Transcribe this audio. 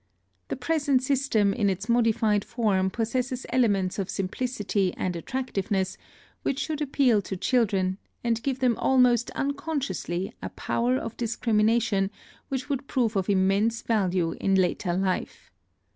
The present system in its modified form possesses elements of simplicity and attractiveness which should appeal to children, and give them almost unconsciously a power of discrimination which would prove of immense value in later life.